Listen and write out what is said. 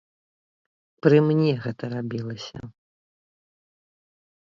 Пры мне гэта рабілася.